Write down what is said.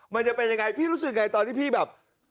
มันจะเป็นยังไงพี่รู้สึกไงตอนที่พี่แบบ